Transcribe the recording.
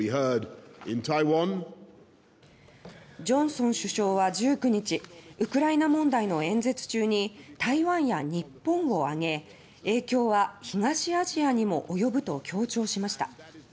ジョンソン首相は１９日ウクライナ問題の演説中に台湾や日本を挙げ影響は東アジアにも及ぶと強調しました。